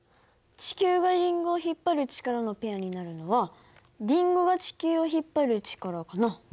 地球がリンゴを引っ張る力のペアになるのはリンゴが地球を引っ張る力かな。